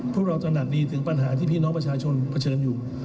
พวกเราตระหนักดีถึงปัญหาที่พี่น้องประชาชนเผชิญอยู่